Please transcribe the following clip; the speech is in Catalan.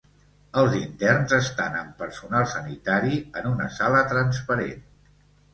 Els interns estan amb personal sanitari en una sala transparent.